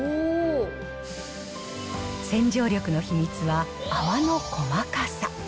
洗浄力の秘密は泡の細かさ。